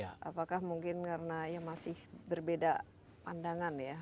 apakah mungkin karena ya masih berbeda pandangan ya